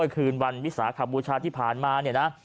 คืนวันวิสาขบูชาที่ผ่านมาเนี่ยนะ